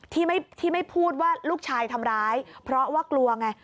ที่ไม่พูดว่าลูกชายทำร้ายเพราะว่ากลัวไง